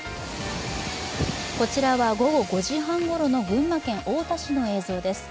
こちらは午後５時半ごろの群馬県太田市の映像です。